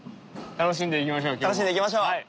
楽しんでいきましょう